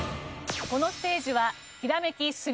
このステージはひらめき！